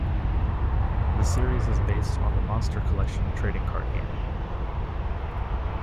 The series is based on the Monster Collection trading card game.